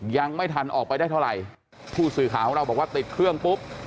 ยังไม่ทันออกไปได้เท่าไหร่ผู้สื่อข่าวของเราบอกว่าติดเครื่องปุ๊บ